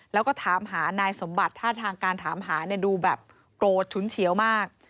แล้วก็ถามหานายสมบัติท่าทางการถามหาเนี่ยดูแบบโกรธฉุนเฉียวมาก